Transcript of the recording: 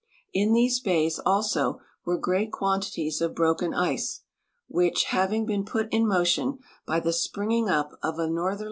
In these bays also were great quantities of broken ice, which, having been put in motion by the springing up of a norther!